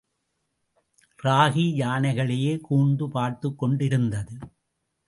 ராகி யானைகளையே கூர்ந்து பார்த்துக் கொண்டிருந்தது.